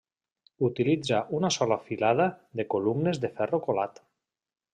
Utilitza una sola filada de columnes de ferro colat.